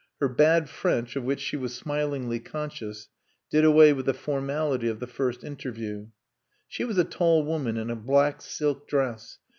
Her bad French, of which she was smilingly conscious, did away with the formality of the first interview. She was a tall woman in a black silk dress.